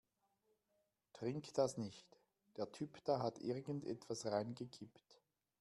Trink das nicht, der Typ da hat irgendetwas reingekippt.